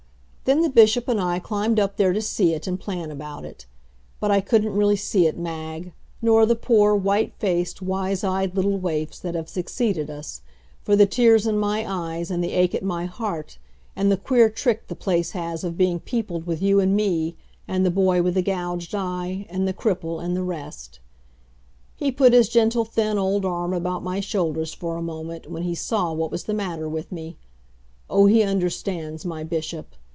Then the Bishop and I climbed up there to see it and plan about it. But I couldn't really see it, Mag, nor the poor, white faced, wise eyed little waifs that have succeeded us, for the tears in my eyes and the ache at my heart and the queer trick the place has of being peopled with you and me, and the boy with the gouged eye, and the cripple, and the rest. He put his gentle thin old arm about my shoulders for a moment when he saw what was the matter with me. Oh, he understands, my Bishop!